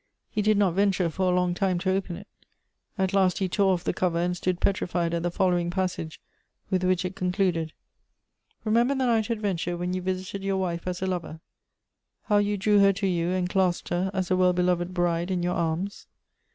He did not venture, for a long time, to open it. At last he tore off the cover, and stood petrified at the following passage, with which it concluded : "Remember the night adventure when you visited your wife as a lover — how you drew her to you, and clasped her as a well beloved bride in your arms.